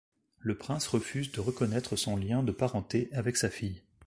Le prince refuse de reconnaître son lien de parenté avec sa fille.